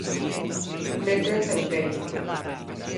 Metro en Taipei.